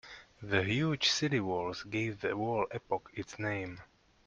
The huge city walls gave the wall epoch its name.